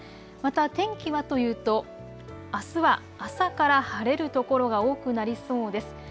また天気はというとあすは朝から晴れる所が多くなりそうです。